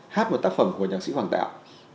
hát một tác phẩm của nhạc sĩ hoàng tạo